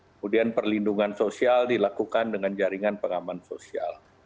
kemudian perlindungan sosial dilakukan dengan jaringan pengaman sosial